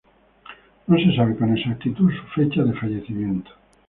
No se sabe con exactitud su fecha de fallecimiento.